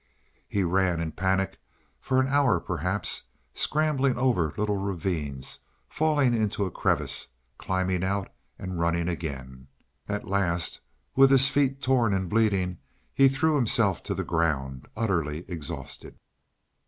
He ran, in panic, for an hour perhaps, scrambling over little ravines, falling into a crevice climbing out and running again. At last, with his feet torn and bleeding, he threw himself to the ground, utterly exhausted.